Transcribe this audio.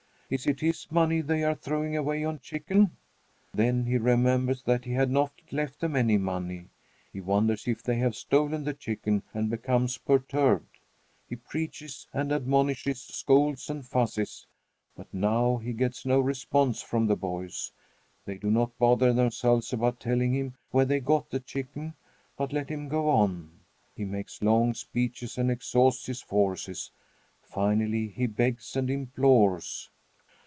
Is it his money they are throwing away on chicken? Then he remembers that he had not left them any money. He wonders if they have stolen the chicken and becomes perturbed. He preaches and admonishes, scolds and fusses, but now he gets no response from the boys. They do not bother themselves about telling him where they got the chicken, but let him go on. He makes long speeches and exhausts his forces. Finally he begs and implores.